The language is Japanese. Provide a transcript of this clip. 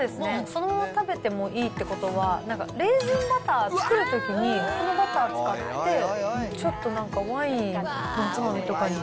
そのまま食べてもいいということは、なんかレーズンバター作るときに、このバター使って、ちょっとなんかワインのおつまみとかに。